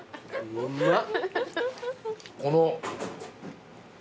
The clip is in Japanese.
うまっ。